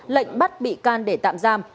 lệnh bắt bị can để tạm giam